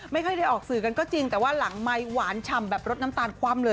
ไม่ค่อยได้ออกสื่อกันก็จริงแต่ว่าหลังไมค์หวานฉ่ำแบบรสน้ำตาลคว่ำเลย